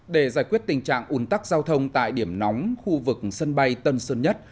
để giải quyết tình trạng ủn tắc giao thông tại điểm nóng khu vực sân bay tân sơn nhất